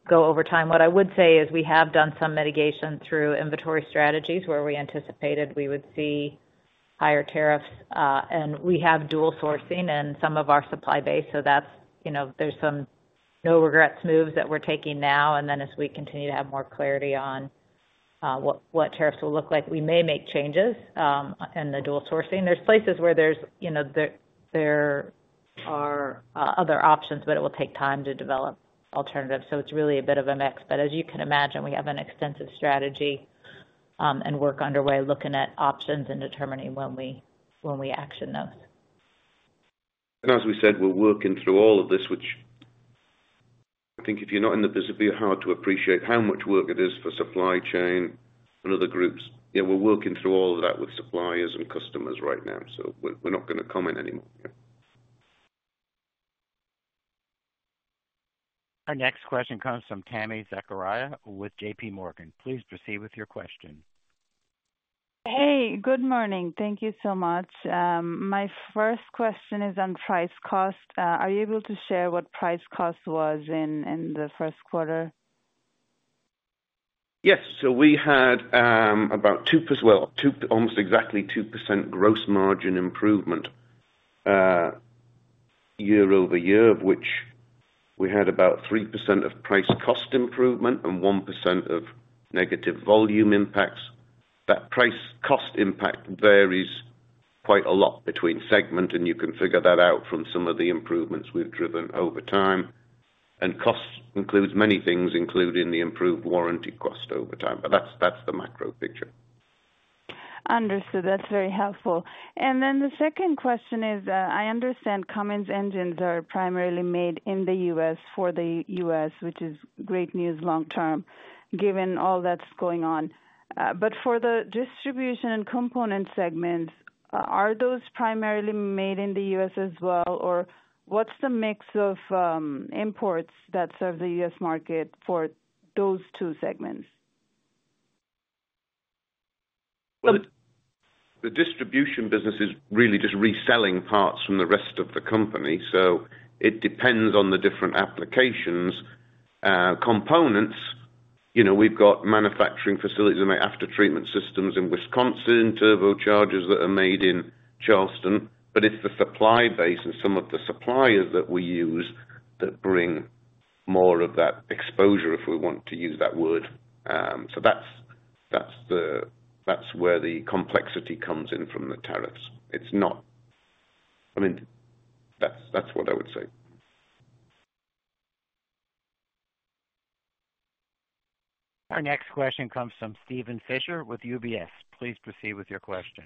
go over time. What I would say is we have done some mitigation through inventory strategies where we anticipated we would see higher tariffs. We have dual sourcing in some of our supply base. There's some no-regrets moves that we're taking now. As we continue to have more clarity on what tariffs will look like, we may make changes in the dual sourcing. There are places where there are other options, but it will take time to develop alternatives. It is really a bit of a mix. As you can imagine, we have an extensive strategy and work underway looking at options and determining when we action those.
As we said, we're working through all of this, which I think if you're not in the business, it'd be hard to appreciate how much work it is for supply chain and other groups. Yeah, we're working through all of that with suppliers and customers right now. We're not going to comment anymore.
Our next question comes from Tami Zakaria with JPMorgan. Please proceed with your question.
Hey. Good morning. Thank you so much. My first question is on price-cost. Are you able to share what price-cost was in the Q1?
Yes. We had about, almost exactly, 2% gross margin improvement year over year, of which we had about 3% of price-cost improvement and 1% of negative volume impacts. That price-cost impact varies quite a lot between segment, and you can figure that out from some of the improvements we've driven over time. Cost includes many things, including the improved warranty cost over time. That's the macro picture.
Understood. That's very helpful. The second question is, I understand Cummins engines are primarily made in the U.S. for the U.S., which is great news long-term given all that's going on. For the Distribution and Components segments, are those primarily made in the U.S. as well? What's the mix of imports that serve the U.S. market for those two segments?
The Distribution business is really just reselling parts from the rest of the company. It depends on the different applications. Components, we've got manufacturing facilities and aftertreatment systems in Wisconsin, turbochargers that are made in Charleston. It is the supply base and some of the suppliers that we use that bring more of that exposure, if we want to use that word. That is where the complexity comes in from the tariffs. I mean, that is what I would say.
Our next question comes from Steven Fisher with UBS. Please proceed with your question.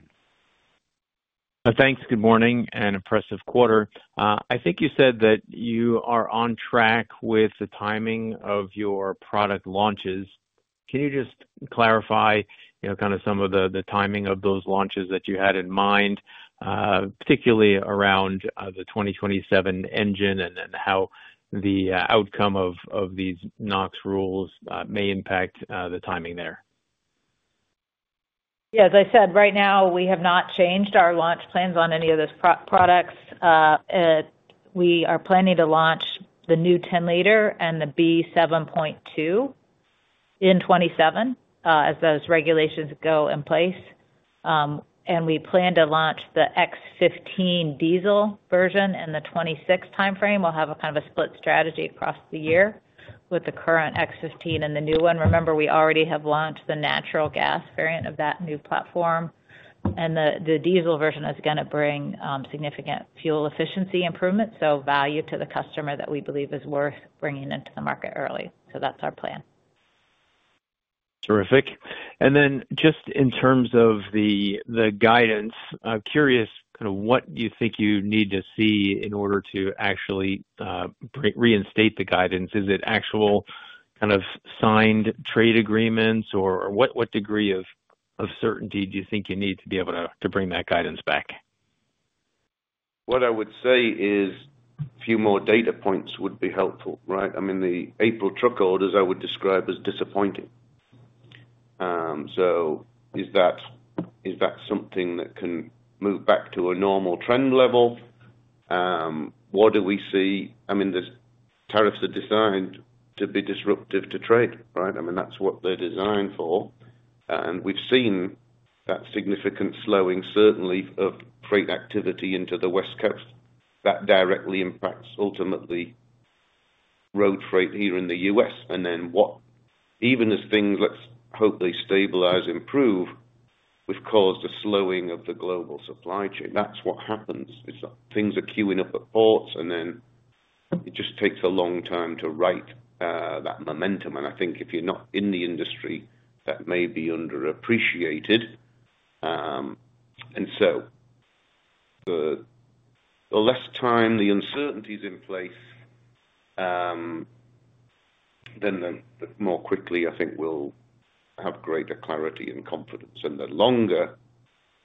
Thanks. Good morning and impressive quarter. I think you said that you are on track with the timing of your product launches. Can you just clarify kind of some of the timing of those launches that you had in mind, particularly around the 2027 engine and how the outcome of these NOx rules may impact the timing there?
Yeah. As I said, right now, we have not changed our launch plans on any of those products. We are planning to launch the new 10-liter and the B7.2 in 2027 as those regulations go in place. We plan to launch the X15 diesel version in the 2026 timeframe. We'll have kind of a split strategy across the year with the current X15 and the new one. Remember, we already have launched the natural gas variant of that new platform. The diesel version is going to bring significant fuel efficiency improvements, so value to the customer that we believe is worth bringing into the market early. That is our plan.
Terrific. In terms of the guidance, I'm curious kind of what you think you need to see in order to actually reinstate the guidance. Is it actual kind of signed trade agreements, or what degree of certainty do you think you need to be able to bring that guidance back?
What I would say is a few more data points would be helpful, right? I mean, the April truck orders I would describe as disappointing. Is that something that can move back to a normal trend level? What do we see? I mean, tariffs are designed to be disruptive to trade, right? I mean, that's what they're designed for. We have seen that significant slowing, certainly, of freight activity into the West Coast. That directly impacts ultimately road freight here in the U.S. Even as things, let's hope they stabilize, improve, we have caused a slowing of the global supply chain. That's what happens. It's like things are queuing up at ports, and then it just takes a long time to right that momentum. I think if you're not in the industry, that may be underappreciated. The less time the uncertainty is in place, the more quickly I think we'll have greater clarity and confidence. The longer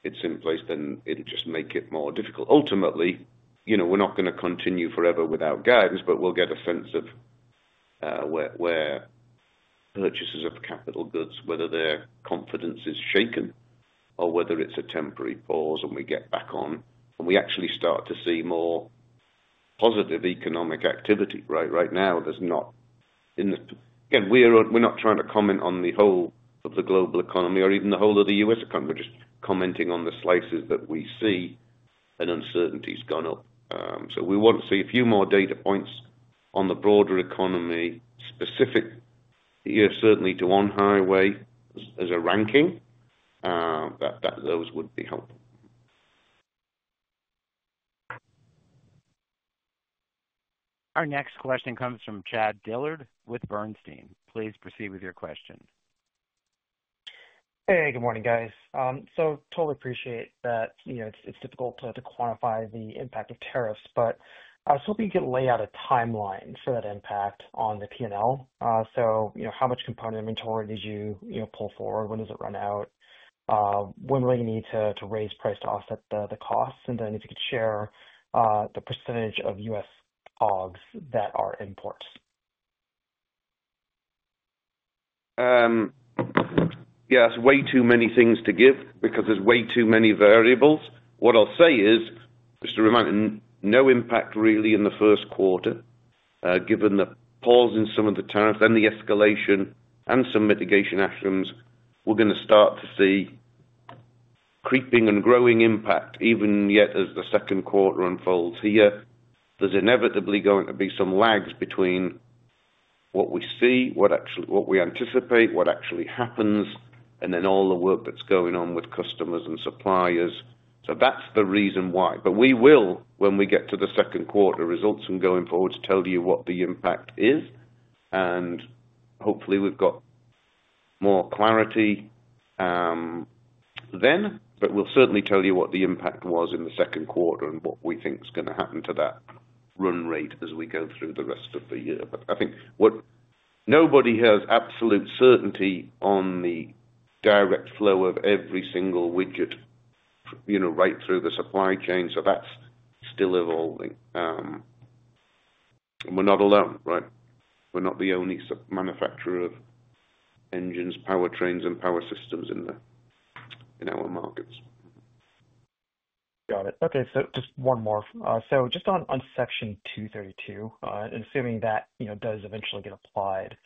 it's in place, it'll just make it more difficult. Ultimately, we're not going to continue forever without guidance, but we'll get a sense of where purchases of capital goods, whether their confidence is shaken or whether it's a temporary pause and we get back on, and we actually start to see more positive economic activity, right? Right now, we're not trying to comment on the whole of the global economy or even the whole of the U.S. economy. We're just commenting on the slices that we see, and uncertainty has gone up. We want to see a few more data points on the broader economy specific, certainly to on-highway as a ranking. Those would be helpful.
Our next question comes from Chad Dillard with Bernstein. Please proceed with your question.
Hey. Good morning, guys. I totally appreciate that it's difficult to quantify the impact of tariffs, but I was hoping you could lay out a timeline for that impact on the P&L. How much Components inventory did you pull forward? When does it run out? When will you need to raise price to offset the costs? If you could share the percentage of U.S. COGS that are imports.
Yeah. It's way too many things to give because there's way too many variables. What I'll say is, just to remind you, no impact really in the Q1. Given the pause in some of the tariffs, then the escalation, and some mitigation actions, we're going to start to see creeping and growing impact even yet as the Q2 unfolds here. There's inevitably going to be some lags between what we see, what we anticipate, what actually happens, and all the work that's going on with customers and suppliers. That's the reason why. We will, when we get to the Q2 results and going forwards, tell you what the impact is. Hopefully, we've got more clarity then. We will certainly tell you what the impact was in the Q2 and what we think is going to happen to that run rate as we go through the rest of the year. I think nobody has absolute certainty on the direct flow of every single widget right through the supply chain. That is still evolving. We are not alone, right? We are not the only manufacturer of engines, powertrains, and Power Systems in our markets.
Got it. Okay. Just one more. Just on Section 232, assuming that does eventually get applied,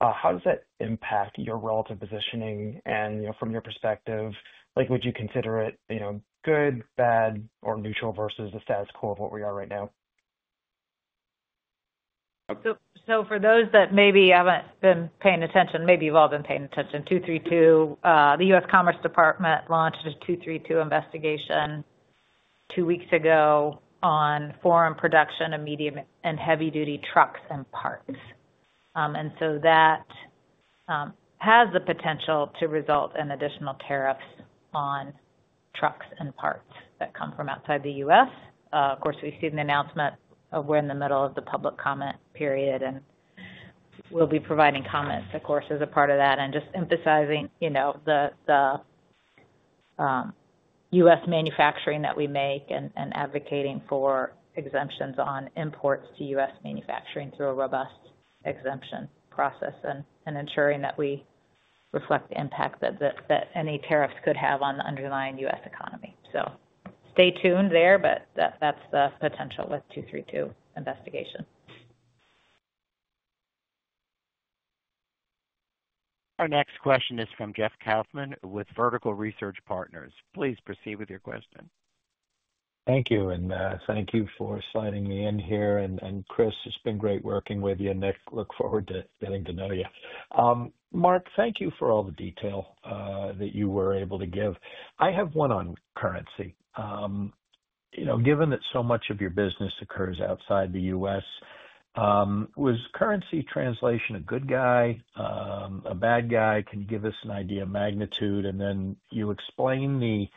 how does that impact your relative positioning? From your perspective, would you consider it good, bad, or neutral versus the status quo of what we are right now?
For those that maybe haven't been paying attention, maybe you've all been paying attention, 232, the U.S. Commerce Department launched a 232 investigation two weeks ago on foreign production of medium and heavy-duty trucks and parts. That has the potential to result in additional tariffs on trucks and parts that come from outside the U.S. Of course, we've seen the announcement of we're in the middle of the public comment period, and we'll be providing comments, of course, as a part of that. Just emphasizing the U.S. manufacturing that we make and advocating for exemptions on imports to U.S. manufacturing through a robust exemption process and ensuring that we reflect the impact that any tariffs could have on the underlying U.S. economy. Stay tuned there, but that's the potential with 232 investigation.
Our next question is from Jeff Kauffman with Vertical Research Partners. Please proceed with your question.
Thank you. Thank you for sliding me in here. Chris, it's been great working with you. Nick, look forward to getting to know you. Mark, thank you for all the detail that you were able to give. I have one on currency. Given that so much of your business occurs outside the U.S., was currency translation a good guy, a bad guy? Can you give us an idea of magnitude? You explained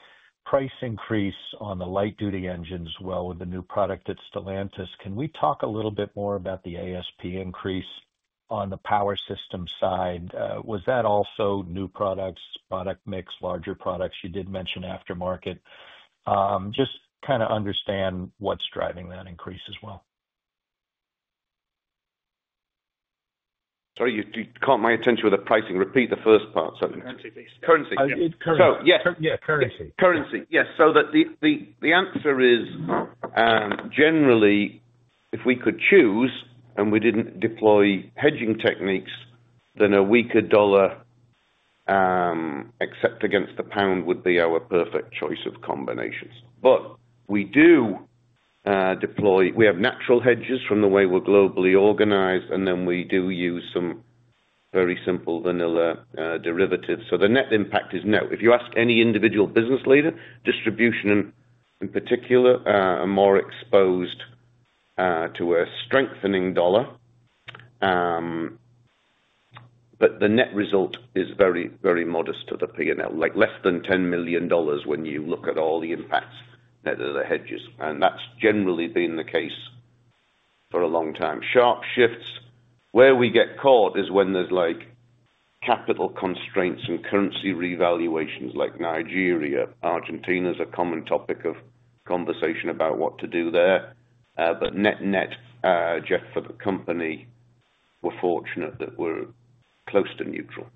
the price increase on the light-duty engines well with the new product at Stellantis. Can we talk a little bit more about the ASP increase on the power system side? Was that also new products, product mix, larger products? You did mention aftermarket. Just kind of understand what's driving that increase as well.
Sorry, you caught my attention with the pricing. Repeat the first part, sorry.
Currency. Currency. (crosstalk) Currency. Yeah. Currency. (crosstalk)
Currency. Yeah. The answer is, generally, if we could choose and we did not deploy hedging techniques, then a weaker dollar except against the pound would be our perfect choice of combinations. We do deploy. We have natural hedges from the way we are globally organized, and then we do use some very simple vanilla derivatives. The net impact is no. If you ask any individual business leader, Distribution in particular, they are more exposed to a strengthening dollar. The net result is very, very modest to the P&L, like less than $10 million when you look at all the impacts of the hedges. That has generally been the case for a long time. Sharp shifts, where we get caught, is when there are capital constraints and currency revaluations like Nigeria. Argentina is a common topic of conversation about what to do there. Net-net, Jeff, for the company, we're fortunate that we're close to neutral.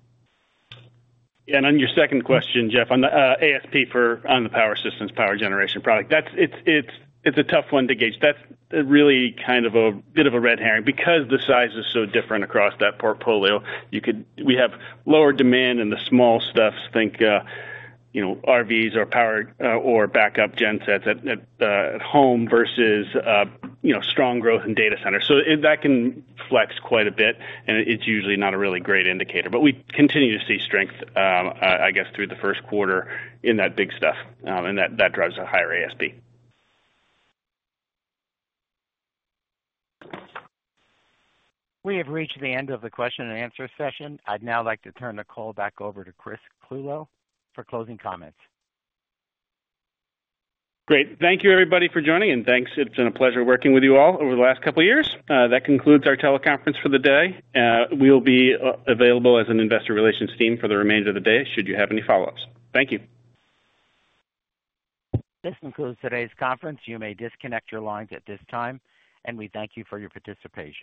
Yeah.
On your second question, Jeff, on the ASP for the Power Systems, power generation product, it's a tough one to gauge. That's really kind of a bit of a red herring because the size is so different across that portfolio. We have lower demand in the small stuff, think RVs or power or backup gensets at home versus strong growth in data centers. That can flex quite a bit, and it's usually not a really great indicator. We continue to see strength, I guess, through the Q1 in that big stuff. That drives a higher ASP.
We have reached the end of the question-and-answer session. I'd now like to turn the call back over to Chris Clulow for closing comments.
Great. Thank you, everybody, for joining. Thank you. It's been a pleasure working with you all over the last couple of years. That concludes our teleconference for the day. We'll be available as an investor relations team for the remainder of the day should you have any follow-ups. Thank you.
This concludes today's conference. You may disconnect your lines at this time. We thank you for your participation.